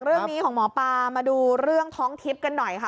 เรื่องนี้ของหมอปลามาดูเรื่องท้องทิพย์กันหน่อยค่ะ